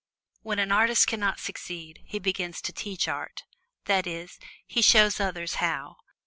When an artist can not succeed, he begins to teach art that is, he shows others how.